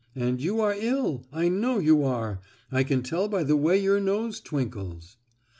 And you are ill, I know you are. I can tell by the way your nose twinkles."